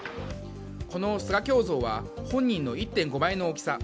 この菅胸像は本人の１．５倍の大きさ。